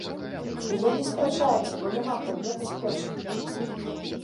І ён не спрачаецца, бо няма прадмета спрэчкі.